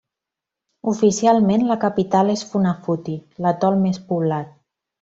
Oficialment la capital és Funafuti, l'atol més poblat.